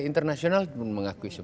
internasional pun mengakui